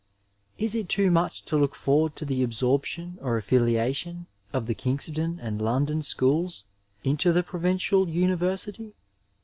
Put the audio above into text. Is it too much to look forward to the absorption or affiliation of the Kingston and London schools into the Provincial University